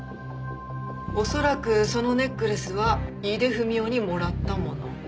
おそらくそのネックレスは井出文雄にもらったもの。